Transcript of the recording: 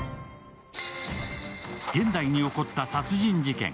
現代に起こった殺人事件。